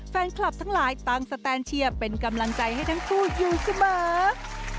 แฟนคลับทั้งหลายตั้งสแตนเชียร์เป็นกำลังใจให้ทั้งคู่อยู่เสมอ